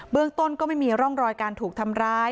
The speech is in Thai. เรื่องต้นก็ไม่มีร่องรอยการถูกทำร้าย